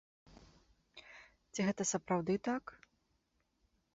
Ці гэта сапраўды так?